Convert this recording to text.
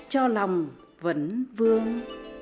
cho lòng vẫn vương